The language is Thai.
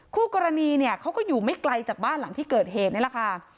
คู่กรณีเนี่ยเขาก็อยู่ไม่ไกลจากบ้านหลังที่เกิดเหตุนี่แหละค่ะ